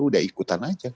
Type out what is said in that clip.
udah ikutan aja